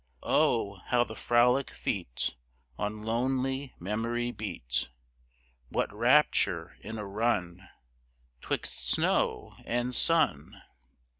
Oh, how the frolic feet On lonely memory beat! What rapture in a run 'Twixt snow and sun!